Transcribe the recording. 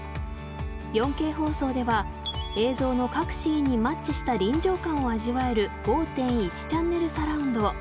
４Ｋ放送では映像の各シーンにマッチした臨場感を味わえる５．１チャンネルサラウンドを。